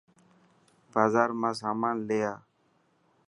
بازار مان سامان لي آ.